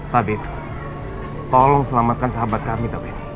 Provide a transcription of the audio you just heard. tabib tolong selamatkan sahabat kami tami